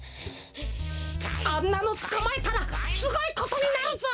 あんなのつかまえたらすごいことになるぞ！